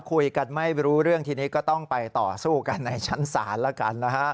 คุยกันไม่รู้เรื่องทีนี้ก็ต้องไปต่อสู้กันในชั้นศาลแล้วกันนะฮะ